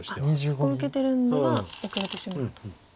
そこ受けてるんでは後れてしまうと。